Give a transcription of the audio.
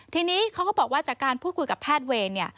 ทีนี้เขาก็บอกว่าจากการพูดคุยกับแพทย์เวรเนี่ย